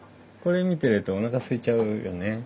これ見てるとおなかすいちゃうよね。